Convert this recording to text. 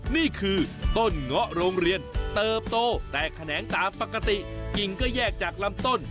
นี่คือต้นเงาะโรงเรียนเติบโตแต่แขนงตามปกติกิ่งก็แยกจากลำต้น